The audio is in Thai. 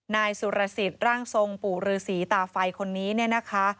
นายสุรสิตร่างทรงปู่รือศรีตาไฟคนนี้เนี่ยนะคะ